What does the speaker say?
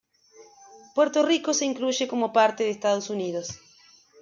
Puerto Rico se incluye como parte de Estados Unidos.